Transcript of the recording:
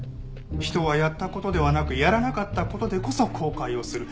人はやった事ではなくやらなかった事でこそ後悔をする。